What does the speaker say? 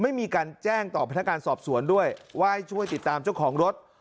ไม่มีการแจ้งต่อพนักการสอบสวนด้วยว่าให้ช่วยติดตามเจ้าของรถ